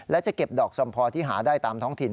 และจะเก็บดอกสมพอที่หาได้ตามท้องถิ่น